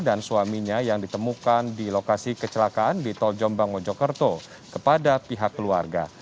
dan suaminya yang ditemukan di lokasi kecelakaan di tol jombang ngojokerto kepada pihak keluarga